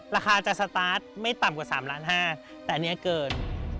ราคาจะสตาร์ทไม่ต่ำกว่า๓ล้าน๕แต่อันนี้เกิน